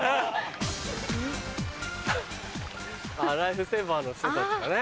ライフセーバーの人たちかね？